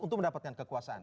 untuk mendapatkan kekuasaan